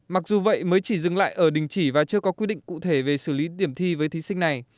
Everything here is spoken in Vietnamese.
mặc dù vậy mới chỉ dừng lại ở đình chỉ và chưa có quy định cụ thể về xử lý điểm thi với thí sinh này